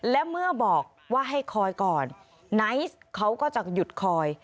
และเมื่อบอกว่าให้คอยก่อนไนท์เขาก็จะหยุดคอย